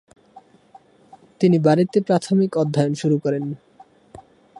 তিনি বাড়িতে প্রাথমিক অধ্যয়ন শুরু করেন।